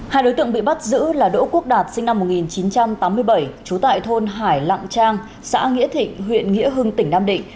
hai đối tượng bị bắt giữ là đỗ quốc đạt sinh năm một nghìn chín trăm tám mươi bảy trú tại thôn hải lặng trang xã nghĩa thịnh huyện nghĩa hưng tỉnh nam định